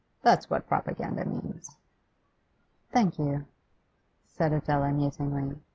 That's what Propaganda means.' 'Thank you,' said Adela musingly.